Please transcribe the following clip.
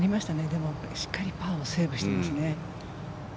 でもしっかりパーをセーブしてますね。